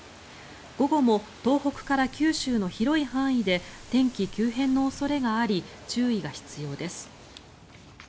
午後も東北から九州の広い範囲で天気急変の恐れがあり注意が必要です。